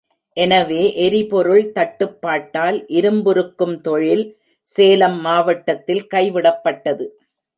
எனவே எரிபொருள் தட்டுப்பாட்டால் இரும்புருக்கும் தொழில் சேலம் மாவட்டத்தில் கைவிடப் பட்டது.